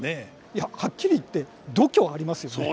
いやはっきり言って度胸ありますよね。